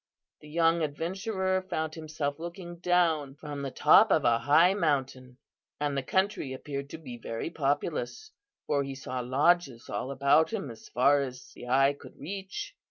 The young adventurer found himself looking down from the top of a high mountain, and the country appeared to be very populous, for he saw lodges all about him as far as the eye could reach.